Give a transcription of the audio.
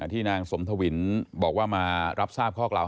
นางสมทวินบอกว่ามารับทราบข้อกล่าว